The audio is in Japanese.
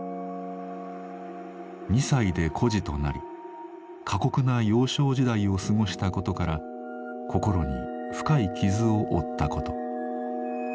２歳で孤児となり過酷な幼少時代を過ごしたことから心に深い傷を負ったこと。